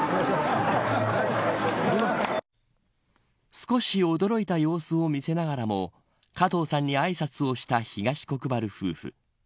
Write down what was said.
少し驚いた様子を見せながらもかとうさんにあいさつをした東国原夫婦。